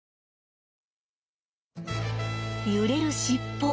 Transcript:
揺れる尻尾。